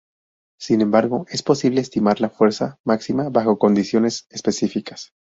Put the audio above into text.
Sin embargo, es posible estimar la fuerza máxima bajo condiciones específicas.